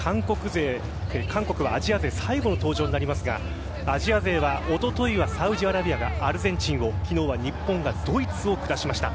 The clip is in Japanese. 韓国はアジア勢最後の登場になりますがアジア勢はおとといはサウジアラビアがアルゼンチンを昨日は日本がドイツを下しました。